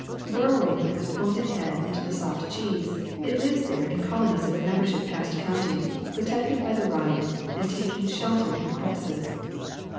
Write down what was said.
Burrowing with its pointed head into the soft cheese, it lives there in colonies of a membership past counting, protected by the rind and taking shelter in the crevices.